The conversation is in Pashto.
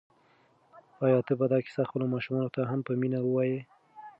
آیا ته به دا کیسه خپلو ماشومانو ته هم په مینه ووایې؟